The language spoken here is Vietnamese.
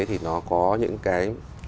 thì nó có những cái